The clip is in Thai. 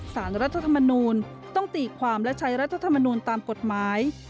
สารรัฐธรรมนูลต้องตีความและใช้รัฐธรรมนูลตามกฎหมาย